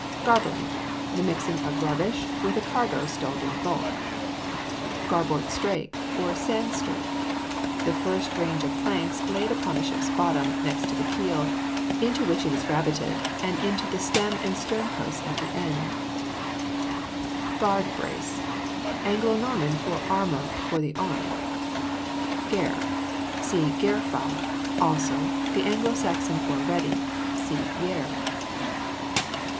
GARBLING. The mixing of rubbish with a cargo stowed in bulk. GARBOARD STRAKE, OR SAND STREAK. The first range of planks laid upon a ship's bottom, next the keel, into which it is rabbeted, and into the stem and stern post at the ends. GARDE BRACE. Anglo Norman for armour for the arm. GARE. See GAIR FOWL. Also, the Anglo Saxon for ready. (See YARE.)